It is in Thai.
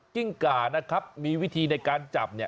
กิ้งก่านะครับมีวิธีในการจับเนี่ย